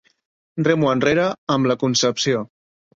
Remo enrere amb la Concepció.